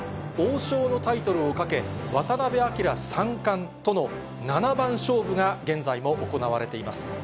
王将のタイトルをかけ、渡辺明三冠との七番勝負が、現在も行われています。